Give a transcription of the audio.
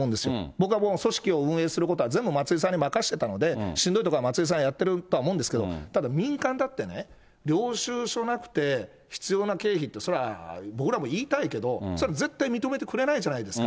僕はもう組織を運営することは全部松井さんに任せたので、しんどいとこは松井さん、やってるとは思うんですけど、ただ、民間だってね、領収書なくて、必要な経費って、それは僕らも言いたいけど、それは絶対認めてくれないじゃないですか。